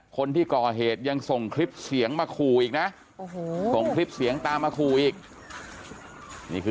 คนที่ก่อเหตุยังส่งคลิปเสียงมาขู่อีกนะส่งคลิปเสียงตามมาขู่อีก